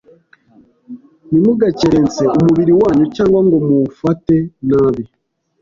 Ntimugakerense umubiri wanyu cyangwa ngo muwufate nabi